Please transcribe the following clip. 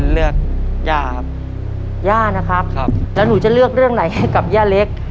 เลือกย่าครับย่านะครับครับแล้วหนูจะเลือกเรื่องไหนให้กับย่าเล็ก